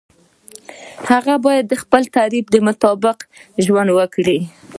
هغه باید د خپل تعریف مطابق ژوند وکړي.